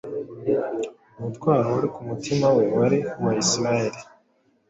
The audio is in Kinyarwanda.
Umutwaro wari ku mutima we wari uwa Isirayeli,